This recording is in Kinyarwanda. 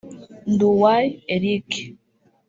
Nduway Eric